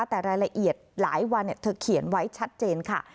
แต่รายละเอียดหลายวันเธอเขียนไว้ชัดเจนค่ะ